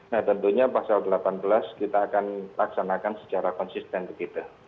nah tentunya pasal delapan belas kita akan laksanakan secara konsisten ke kita